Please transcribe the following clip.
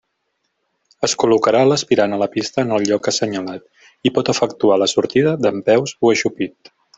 Es col·locarà l'aspirant a la pista en el lloc assenyalat, i pot efectuar la sortida dempeus o ajupit.